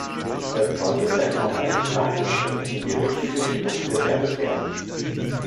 Es sollte dennoch als kleiner Schritt in die richtige Richtung gewertet werden.